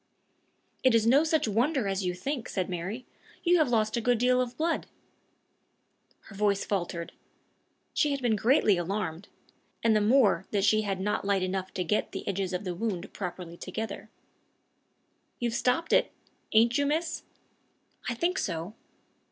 "It is no such wonder as you think," said Mary; "you have lost a good deal of blood." Her voice faltered. She had been greatly alarmed and the more that she had not light enough to get the edges of the wound properly together. "You've stopped it ain't you, miss?" "I think so."